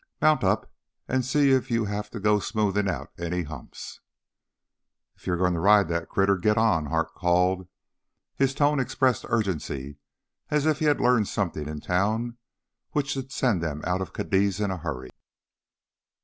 "Mount up an' see if you have to go smoothin' out any humps." "If you're goin' to ride that critter, git on!" Hart called. His tone expressed urgency as if he had learned something in town which should send them out of Cadiz in a hurry.